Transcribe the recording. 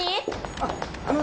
あっあの